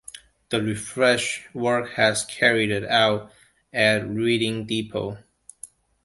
The refresh work was carried out at Reading Depot.